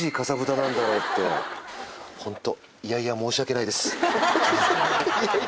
ホント。